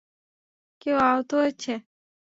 কেউ আহত হয়েছে?